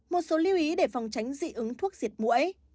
một số lưu ý để phòng tránh dị ứng thuốc diệt mũi